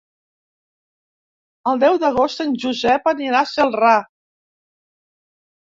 El deu d'agost en Josep anirà a Celrà.